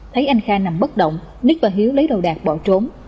thấy anh kha nằm bất động ních và hiếu lấy đầu đạc bỏ trốn